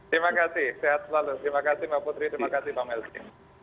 terima kasih sehat selalu terima kasih mbak putri terima kasih bang melki